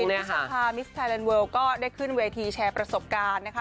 นิโคลีนวิชาภาพมิสไทยแลนด์เวิลก็ได้ขึ้นเวทีแชร์ประสบการณ์นะฮะ